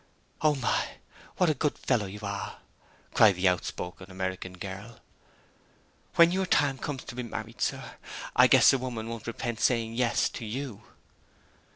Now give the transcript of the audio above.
"Oh my! what a good fellow you are!" cried the outspoken American girl. "When your time comes to be married, sir, I guess the woman won't repent saying yes to _you!